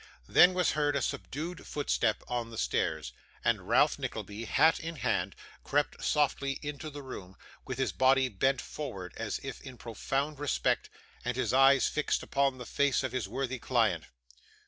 Then was heard a subdued footstep on the stairs; and Ralph Nickleby, hat in hand, crept softly into the room, with his body bent forward as if in profound respect, and his eyes fixed upon the face of his worthy client.